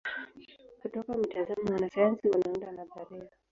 Kutoka mitazamo wanasayansi wanaunda nadharia.